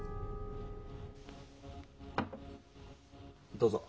どうぞ。